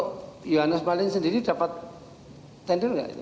kalau johannes marlim sendiri dapat tender gak